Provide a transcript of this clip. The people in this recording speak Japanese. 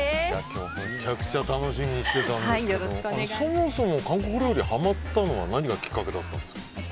今日、むちゃくちゃ楽しみにしてたんですけどそもそも韓国料理にハマったのは何がきっかけだったんですか？